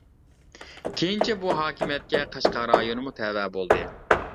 كېيىنچە بۇ ھاكىمىيەتكە قەشقەر رايونىمۇ تەۋە بولدى.